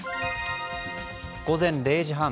午前０時半。